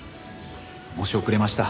申し遅れました。